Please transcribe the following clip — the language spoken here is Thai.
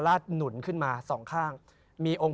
พระพุทธพิบูรณ์ท่านาภิรม